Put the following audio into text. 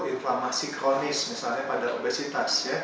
inflamasi kronis misalnya pada obesitas